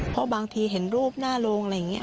เพราะบางทีเห็นรูปหน้าโรงอะไรอย่างนี้